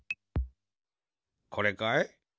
これかい？